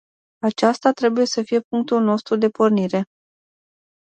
Acesta trebuie să fie punctul nostru de pornire.